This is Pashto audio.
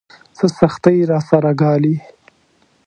څه سختۍ راسره ګالي.